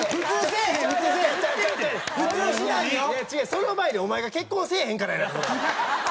その前にお前が結婚せえへんからやないか！